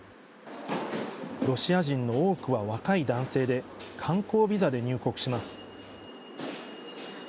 ロシア人の多くは若い男性で観光ビザで入国します。